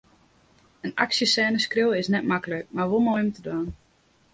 In aksjesêne skriuwe is net maklik, mar wol moai om te dwaan.